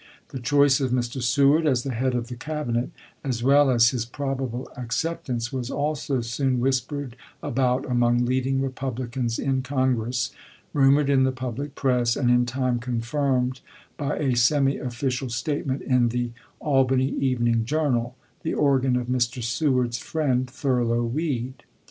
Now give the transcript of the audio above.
The choice of Mr. Seward as the head of the Cabinet, as well as his probable acceptance, was also soon whispered about among leading Republic ans in Congress, rumored in the public press, and in time confirmed by a semi official statement in the "Albany Evening Journal," the organ of Mr. Seward's friend Thurlow Weed.